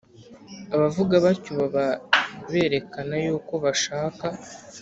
Abavuga batyo baba berekana yuko bashaka